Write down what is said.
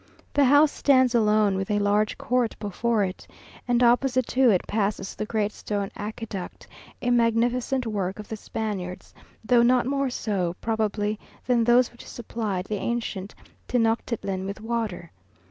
The house stands alone, with a large court before it, and opposite to it passes the great stone aqueduct, a magnificent work of the Spaniards, though not more so, probably, than those which supplied the ancient Tenochtitlan with water.